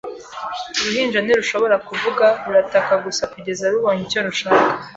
Uruhinja ntirushobora kuvuga, rurataka gusa kugeza rubonye icyo rushaka.